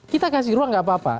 kita kasih ruang gak apa apa